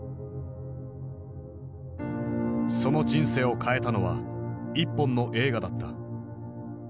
その人生を変えたのは一本の映画だった。